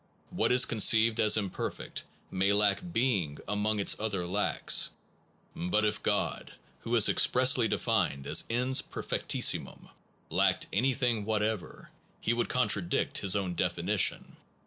What is conceived as imperfect may lack being among its other lacks, but if God, who is expressly defined as Ens perfectissi mum, lacked anything whatever, he would contradict his own definition.